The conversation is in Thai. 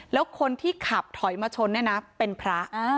แล้วคนที่ขับถอยมาชนเนี่ยนะเป็นพระ